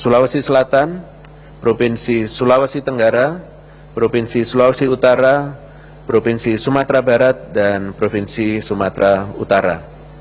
sulawesi selatan provinsi sulawesi tenggara provinsi sulawesi utara provinsi sumatera barat dan provinsi sumatera utara